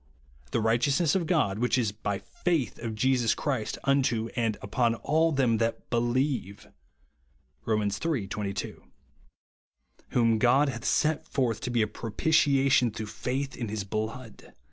The righteousness of God which is by faith of Jesus Christ unto all and upon all them that believe; (Rom. iii. 22). "Whom God hath set forth to be a propitiation through faith in his blood